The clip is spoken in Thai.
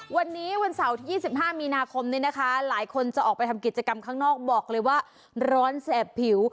วันนี้วันเสาร์ที่๒๕มีนาคมนี้นะคะหลายคนจะออกไปทำกิจกรรมข้างนอกบอกเลยว่าร้อนแสบผิว